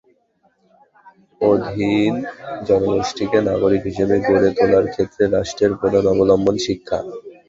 অধীন জনগোষ্ঠীকে নাগরিক হিসেবে গড়ে তোলার ক্ষেত্রে রাষ্ট্রের প্রধান অবলম্বন শিক্ষা।